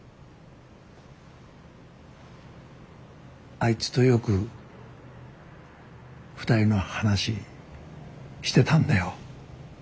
あいつとよく２人の話してたんだよ。